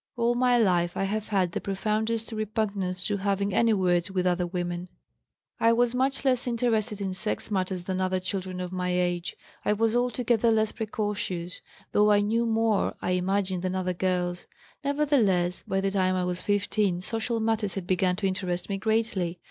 All my life I have had the profoundest repugnance to having any 'words' with other women. "I was much less interested in sex matters than other children of my age. I was altogether less precocious, though I knew more, I imagine, than other girls. Nevertheless, by the time I was 15 social matters had begun to interest me greatly.